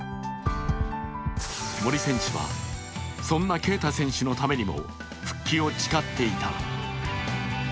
森選手はそんな恵匠選手のためにも復帰を誓っていた。